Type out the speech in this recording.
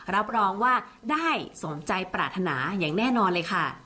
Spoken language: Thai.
รับรองว่าได้สมใจปรารถนาอย่างแน่นอนเลยค่ะ